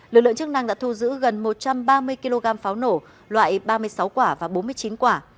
lực lượng chức năng đã thu giữ gần một trăm ba mươi kg pháo nổ loại ba mươi sáu quả và bốn mươi chín quả